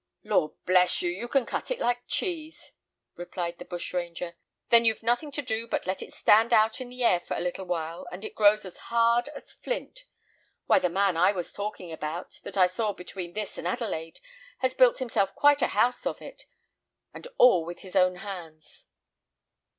"Lord bless you! you can cut it like cheese," replied the bushranger. "Then you've nothing to do but to let it stand out in the air for a little while, and it grows as hard as flint. Why, the man that I was talking about, that I saw between this and Adelaide, has built himself quite a house of it, and all with his own hands."